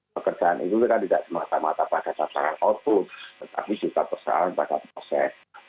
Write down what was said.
pekerjaan itu kan tidak semata mata pasal pasal output tapi juga pesan pada proses